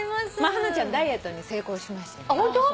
ハナちゃんダイエットに成功しまして。